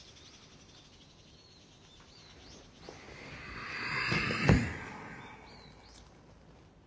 うん。